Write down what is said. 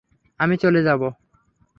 আমি চলে যাবো।